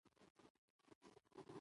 یووالی ولې پکار دی؟